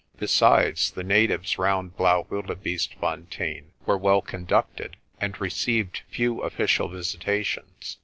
Besides, the natives round Blaauwildebeestefon tein were well conducted, and received few official visita tions.